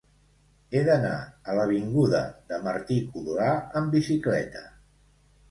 He d'anar a l'avinguda de Martí-Codolar amb bicicleta.